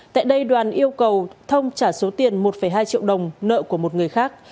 tại đây đoàn yêu cầu thông trả số tiền một hai triệu đồng nợ của một người khác